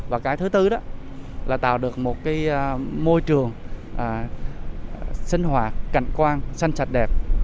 và cái thứ bốn là tạo được một môi trường sinh hoạt cảnh quan xanh sạch đẹp